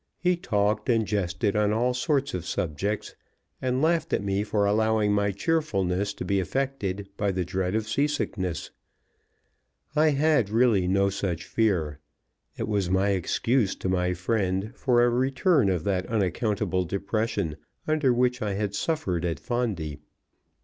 He talked and jested on all sorts of subjects, and laughed at me for allowing my cheerfulness to be affected by the dread of seasickness. I had really no such fear; it was my excuse to my friend for a return of that unaccountable depression under which I had suffered at Fondi.